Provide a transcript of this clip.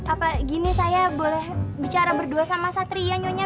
apa gini saya boleh bicara berdua sama satria nyonya